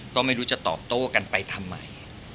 ก็ไม่รู้จะตอบโต้กันไปทำไม